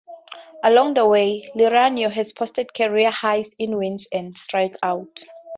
Along the way, Liriano has posted career highs in wins and strikeouts.